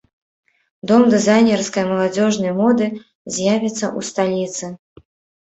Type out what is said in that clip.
Дом дызайнерскай маладзёжнай моды з'явіцца ў сталіцы.